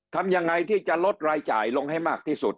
ทำยังไงที่จะลดรายจ่ายลงให้มากที่สุด